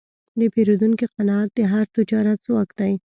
د پیرودونکي قناعت د هر تجارت ځواک دی.